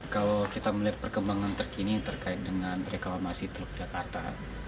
kalau kita melihat perkembangan terkini terkait dengan reklamasi teluk jakarta